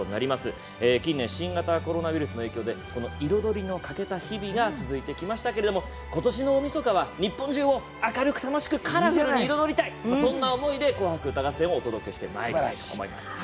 近年新型コロナウイルスの影響で彩りの欠けた日々が続いてきましたけれども今年の大みそかは日本中を明るく楽しくカラフルに彩りたいそんな思いで歌をお届けします。